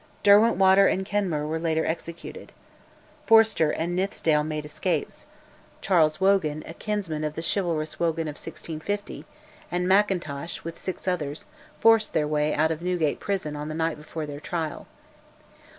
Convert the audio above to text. Derwentwater and Kenmure were later executed. Forster and Nithsdale made escapes; Charles Wogan, a kinsman of the chivalrous Wogan of 1650, and Mackintosh, with six others, forced their way out of Newgate prison on the night before their trial.